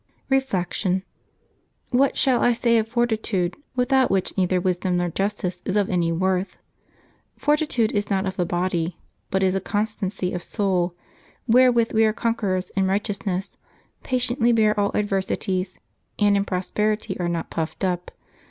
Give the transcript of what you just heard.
Reflection. — *^*What shall I say of fortitude, without which neither wisdom nor justice is of an}" worth? Forti tude is not of the body, but is a constancy of soul; where with we are conquerors in righteousness, patiently bear all adversities, and in prosperity are not puffed up.